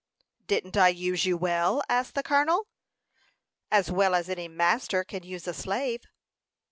"Didn't I use you well?" asked the colonel. "As well as any master can use a slave."